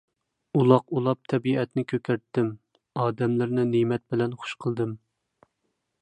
ئۇلاق ئۇلاپ تەبىئەتنى كۆكەرتتىم. ئادەملەرنى نىمەت بىلەن خۇش قىلدىم.